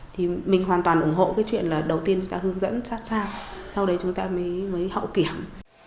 thì mình hoàn toàn ủng hộ cái chuyện là đầu tiên chúng ta hướng dẫn sát sao sau đấy chúng ta mới hậu kiểm